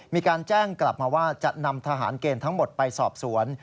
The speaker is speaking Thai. มีการแจ้งกลับมาว่าจะนำทหารเกณฑ์ทั้งหมดไปสอบสวน